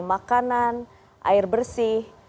makanan air bersih